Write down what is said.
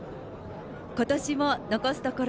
今年も残すところ